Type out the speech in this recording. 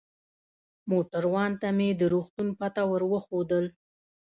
موټروان ته مې د روغتون پته ور وښودل.